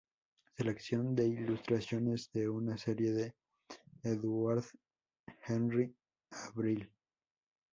Selección de ilustraciones de una serie de Édouard-Henri Avril.